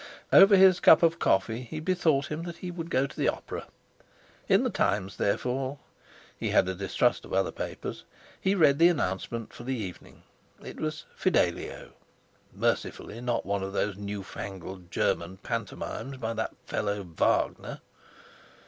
Over his cup of coffee, he bethought him that he would go to the opera. In the Times, therefore—he had a distrust of other papers—he read the announcement for the evening. It was "Fidelio." Mercifully not one of those new fangled German pantomimes by that fellow Wagner.